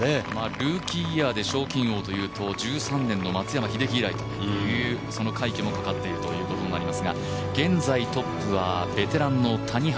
ルーキーイヤーで賞金王というと、１３年の松山英樹以来というその快挙もかかっているということになりますが現在トップはベテランの谷原。